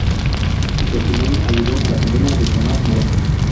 Su testimonio ayudó a la condena de Tomás Moro.